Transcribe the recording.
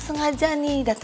kamu ajak tante